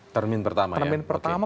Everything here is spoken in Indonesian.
termin pertama termin pertama